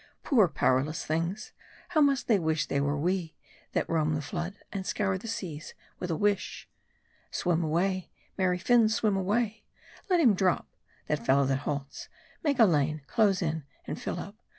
Poor, powerless things ! How they must wish they were we, that roam the flood, and scour the seas with a wish. Swim away ; merry fins, swim away ! Let him drop, that fellow that halts ; make a lane ; close in, and fill up.